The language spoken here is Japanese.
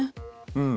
うん。